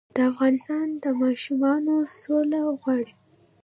د افغانستان ماشومان سوله غواړي